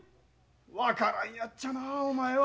分からんやっちゃなあお前は。